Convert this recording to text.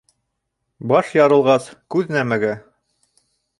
Баш ярылғас, күҙ нәмәгә?